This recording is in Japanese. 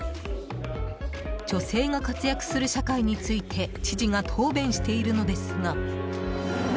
女性が活躍する社会について知事が答弁しているのですが。